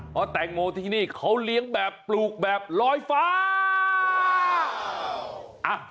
เพราะแตงโมที่นี่เขาเลี้ยงแบบปลูกแบบลอยฟ้า